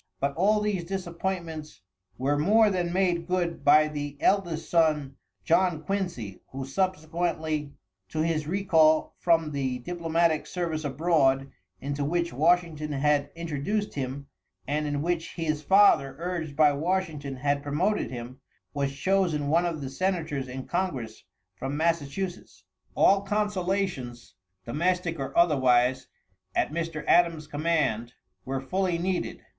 But all these disappointments were more than made good by the eldest son, John Quincy, who subsequently to his recall from the diplomatic service abroad, into which Washington had introduced him and in which his father, urged by Washington, had promoted him, was chosen one of the senators in congress from Massachusetts. All consolations, domestic or otherwise, at Mr. Adam's command, were fully needed.